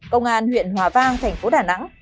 công an huyện hòa vang tp đà nẵng